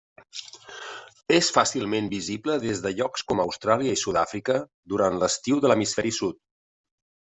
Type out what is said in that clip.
És fàcilment visible des de llocs com Austràlia i Sud-àfrica durant l'estiu de l'Hemisferi Sud.